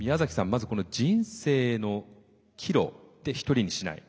まずこの「人生の岐路で一人にしない」。